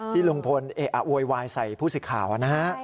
ที่ลุงพลโวยวายใส่ผู้สื่อข่าวนะฮะ